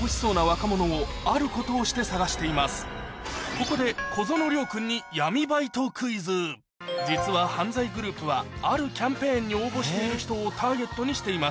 ここで小園凌央君に実は犯罪グループはあるキャンペーンに応募している人をターゲットにしています